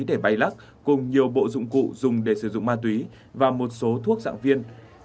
để bay lắc cùng nhiều bộ dụng cụ dùng để sử dụng ma túy và một số thuốc dạng viên